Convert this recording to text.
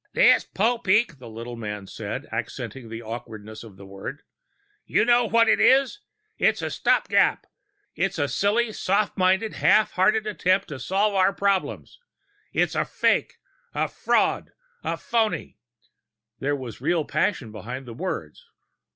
"This Popeek," the little man said, accenting the awkwardness of the word. "You know what it is? It's a stopgap. It's a silly, soft minded, half hearted attempt at solving our problems. It's a fake, a fraud, a phony!" There was real passion behind the words.